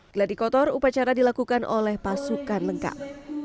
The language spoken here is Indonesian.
geladi kotor upacara dilakukan oleh pasukan lengkap